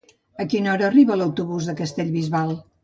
A quina hora arriba l'autobús de Castellbisbal?